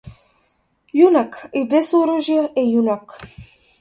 Јунак и без оружје е јунак.